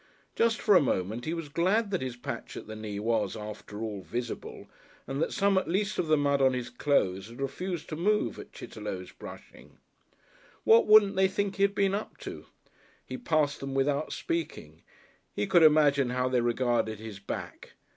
Just for a moment he was glad that his patch at the knee was, after all, visible and that some at least of the mud on his clothes had refused to move at Chitterlow's brushing. What wouldn't they think he had been up to? He passed them without speaking. He could imagine how they regarded his back.